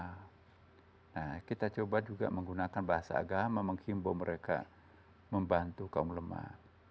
nah kita coba juga menggunakan bahasa agama menghimbau mereka membantu kaum lemah